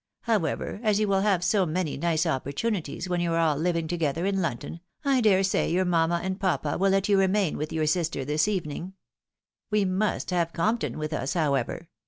However, as you will have so many nice oppor tunities when you are all hving together in London, I dare say your mamma and papa will let you remain with your sister this evening. We must have Compton with us, however.